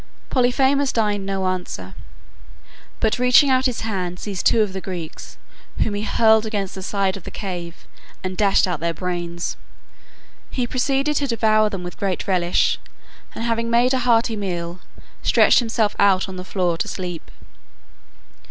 Polyphemus deigned no answer, but reaching out his hand seized two of the Greeks, whom he hurled against the side of the cave, and dashed out their brains. He proceeded to devour them with great relish, and having made a hearty meal, stretched himself out on the floor to sleep.